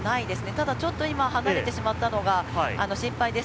ただちょっと今離れてしまったのが心配です。